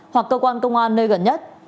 hoặc cơ quan công an nơi gần nhất